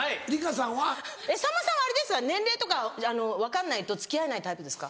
さんまさんはあれですか年齢とか分かんないと付き合えないタイプですか？